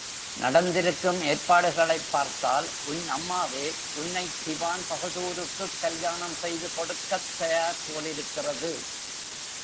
நடந்திருக்கும் ஏற்பாடுகளைப் பார்த்தால் உன் அம்மாவே உன்னைத் திவான் பகதூருக்குக் கல்யாணம் செய்து கொடுக்கத் தயார் போலிருக்கிறது.